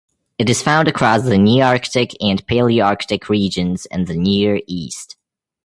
It is found across the Nearctic and Palearctic regions and the Near East.